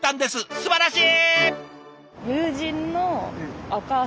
すばらしい！